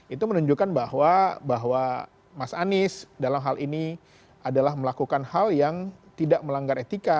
itu menunjukkan bahwa mas anies dalam hal ini adalah melakukan hal yang tidak melanggar etika